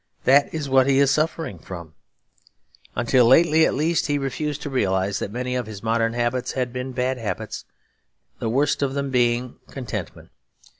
That is what he is suffering from. Until lately at least he refused to realise that many of his modern habits had been bad habits, the worst of them being contentment.